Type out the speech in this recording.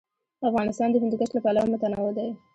افغانستان د هندوکش له پلوه متنوع دی.